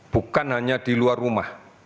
bukan hanya di luar rumah